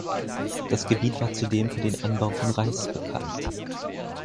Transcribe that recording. Das Gebiet war zudem für den Anbau von Reis bekannt.